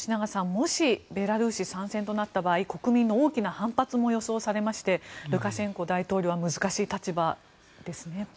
もしベラルーシ参戦となった場合国民の大きな反発も予想されましてルカシェンコ大統領は難しい立場ですね。